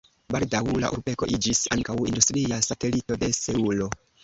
Baldaŭ la urbego iĝis ankaŭ industria satelito de Seulo.